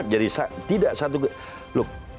jadi tidak satu